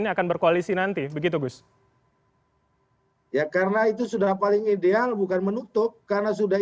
ini akan berkoalisi nanti begitu gus ya karena itu sudah paling ideal bukan menutup karena sudah